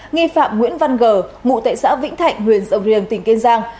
nghi phạm nguyễn văn gờ mụ tệ xã vĩnh thạnh huyện dầu riêng tỉnh kiên giang